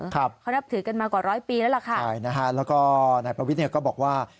เขานับถือกันมากว่าร้อยปีแล้วล่ะค่ะใช่นะฮะแล้วก็นายประวิทย์เนี่ยก็บอกว่า